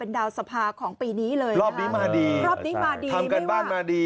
ดาวสภาของปีนี้เลยรอบนี้มาดีรอบนี้มาดีทำการบ้านมาดี